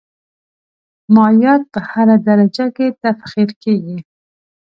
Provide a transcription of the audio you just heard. مایعات په هره درجه کې تبخیر کیږي.